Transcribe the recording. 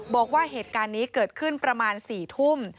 บอกว่าเหตุการณ์นี้เกิดขึ้นประมาณ๔ทุ่ม